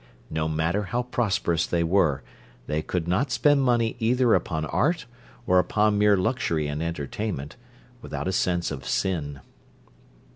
No matter how prosperous they were, they could not spend money either upon "art," or upon mere luxury and entertainment, without a sense of sin.